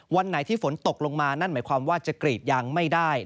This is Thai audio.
วันไหนที่ฝนตกลงมานั่นหมายความว่าจะกรีดยางไม่ได้